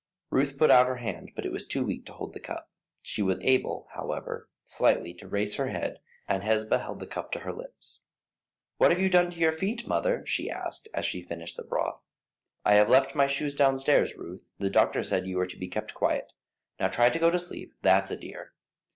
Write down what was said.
Ruth put out her hand, but it was too weak to hold the cup. She was able, however, slightly to raise her head, and Hesba held the cup to her lips. "What have you done to your feet, mother?" she asked, as she finished the broth. "I have left my shoes downstairs, Ruth; the doctor said you were to be kept quiet. Now try to go to sleep, that's a dear."